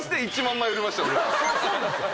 そうなんすよ。